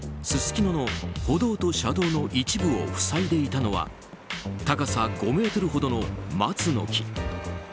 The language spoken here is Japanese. すすきのの歩道と車道の一部を塞いでいたのは高さ５ｍほどの松の木。